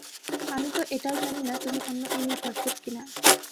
আমি তো এটাও জানি না তুমি অন্য ইউনিভার্সের কি-না।